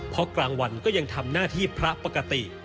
เพราะกลางวันก็ยังทำหน้าที่พระปกติ